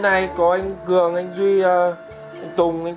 mâm đây con gà đây anh tùng vừa luộc xong đây